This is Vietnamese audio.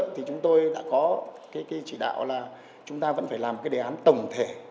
thì chúng tôi đã có cái chỉ đạo là chúng ta vẫn phải làm cái đề án tổng thể